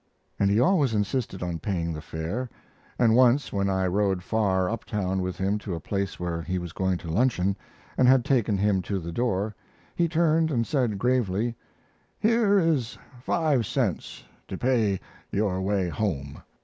And he always insisted on paying the fare, and once when I rode far up town with him to a place where he was going to luncheon, and had taken him to the door, he turned and said, gravely: "Here is five cents to pay your way home."